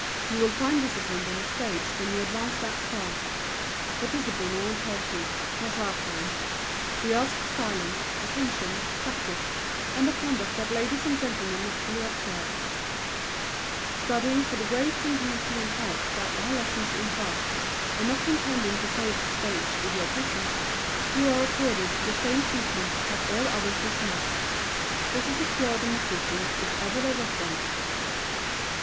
You will find discipline on the stage when you advance that far. But discipline won't hurt you, not our kind. We ask for silence, attention, practice, and the conduct that ladies and gentlemen naturally observe. If you are a lady of social prominence, studying for the grace and beauty and health that our lessons impart, and not intending to favor the stage with your presence, you are accorded the same treatment that all others receive. This is a pure democracy if ever there was one.